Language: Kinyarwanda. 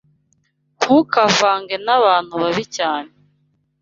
Ntukavange nabantu babi cyanne.